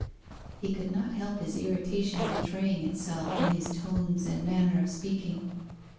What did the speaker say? He could not help his irritation betraying itself in his tones and manner of speaking.